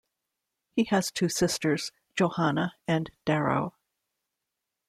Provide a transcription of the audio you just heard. He has two sisters, Johanna and Darrow.